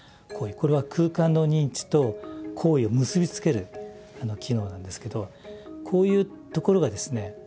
これは空間の認知と行為を結び付ける機能なんですけどこういうところがですね